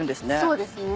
そうですね。